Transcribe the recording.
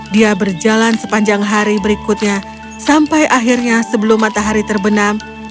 dia berjalan sepanjang hari berikutnya sampai akhirnya sebelum matahari terbenam